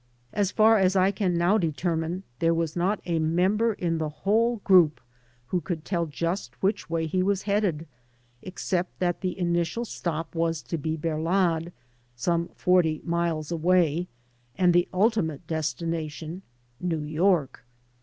As far as I can now determine, there was not a member in the whole group who coidd tell just which way he was headed, except that the initial stop was to be Berlad — ^some forty miles away— and the ultimate destination, New York.